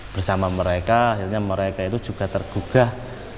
bersama mereka akhirnya mereka itu juga tergugah